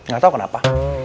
gak tau kenapa